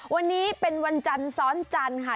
วันนี้เป็นวันจันทร์ซ้อนจันทร์ค่ะ